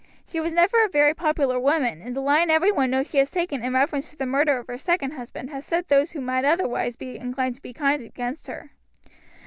She was never a very popular woman, and the line every one knows she has taken in reference to the murder of her second husband has set those who would otherwise have been inclined to be kind against her.